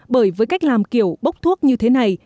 bởi với cách làm kiểu bốc thuốc như thế này